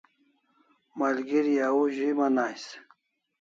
Malgeri au zu'iman ais